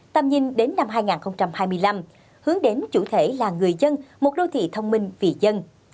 tầm nhìn đến năm hai nghìn hai mươi năm hướng đến chủ thể là người dân một đô thị thông minh vì dân